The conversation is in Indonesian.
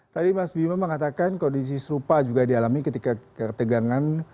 tadi mas bima mengatakan kondisi serupa juga dialami ketika ketegangan